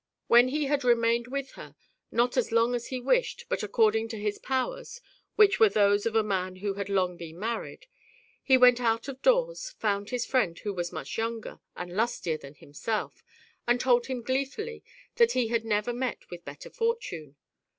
When he had remained with her, not as long as he wished, but according to his 4 THE HEPTAMERON. powers, which were those of a man who had long been married, he went out of doors, found his friend, who was much younger and lustier than himself, and told him gleefully that he had never met with better fortune.